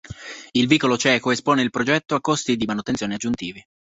Il vicolo cieco espone il progetto a costi di manutenzione aggiuntivi.